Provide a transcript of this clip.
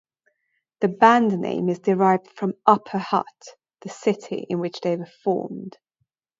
The band name is derived from Upper Hutt, the city in which they formed.